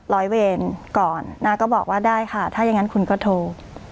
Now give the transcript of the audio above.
ร้อยเวรก่อนน้าก็บอกว่าได้ค่ะถ้าอย่างนั้นคุณก็โทร